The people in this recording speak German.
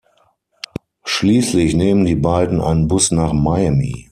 Schließlich nehmen die beiden einen Bus nach Miami.